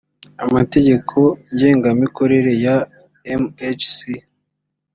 amategeko ngengamikorere ya mhc